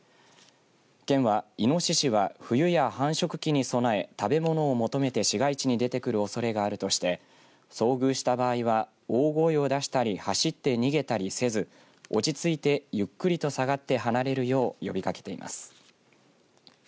県はいのししは冬や繁殖期に備え食べ物を求めて市街地に出てくるおそれがあるとして遭遇した場合は大声を出したり走って逃げたりせず落ち着いてゆっくりと下がって離れるよう呼びかけています。